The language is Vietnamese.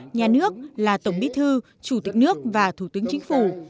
nhà nước là tổng bí thư chủ tịch nước và thủ tướng chính phủ